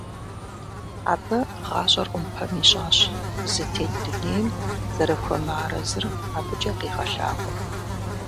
Абы гъащӀэр Ӏумпэм ищӀащ, зытет дунейм зэрыхуэмыарэзыр абыкӀэ къигъэлъагъуэу.